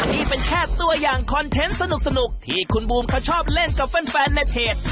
นี่เป็นแค่ตัวอย่างคอนเทนต์สนุกที่คุณบูมเขาชอบเล่นกับแฟนในเพจ